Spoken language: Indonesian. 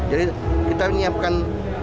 jadi kita menyiapkan